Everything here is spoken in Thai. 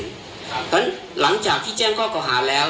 เพราะฉะนั้นหลังจากที่แจ้งข้อเก่าหาแล้ว